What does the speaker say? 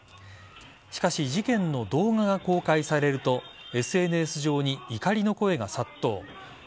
しかし事件の動画が公開されるとＳＮＳ上に怒りの声が殺到。